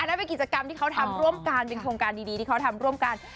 นั่นเป็นกิจกรรมที่เขาทำร่วมกันเป็นโครงการดีที่เขาทำร่วมกัน